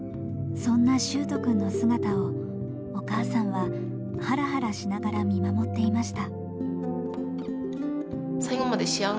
そんな秀斗くんの姿をお母さんはハラハラしながら見守っていました。